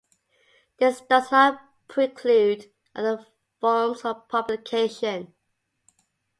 This does not preclude other forms of publication.